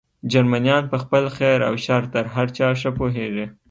جرمنیان په خپل خیر او شر تر هر چا ښه پوهېږي.